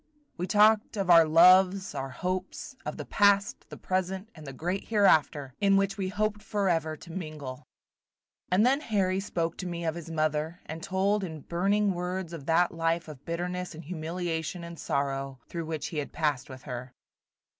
We talked of our loves, our hopes, of the past, the present, and the great hereafter, in which we hoped forever to mingle. And then Harry spoke to me of his mother, and told in burning words of that life of bitterness and humiliation and sorrow through which he had passed with her.